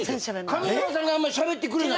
上沼さんがしゃべってくれない。